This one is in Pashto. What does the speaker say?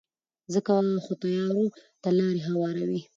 ځکه خو تیارو ته لارې هواروي.